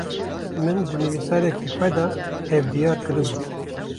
Min, di nivîsareke xwe de, ev diyar kiribû